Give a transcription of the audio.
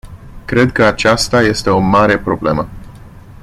Cred că aceasta este o mare problemă.